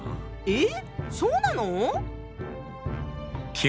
えそうなの？